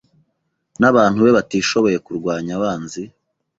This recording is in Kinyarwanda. nabantu be batishoboye kurwanya abanzi